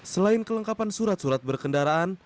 selain kelengkapan surat surat berkendaraan